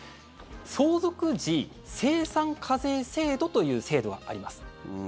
相続時精算課税制度という制度があります。